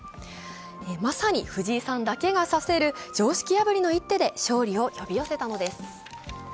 まさに藤井さんだけが指せる常識破りの一手で勝利を呼び寄せたのです。